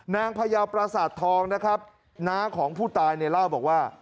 พยาวประสาททองนะครับน้าของผู้ตายเนี่ยเล่าบอกว่า